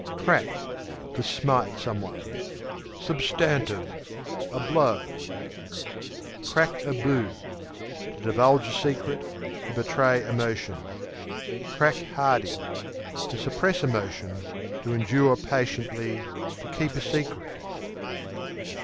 Crack To smite. s. A blow. Crack a boo To divulge a secret; to betray emotion. Crack hardy To suppress emotion; to endure patiently; to keep a secret.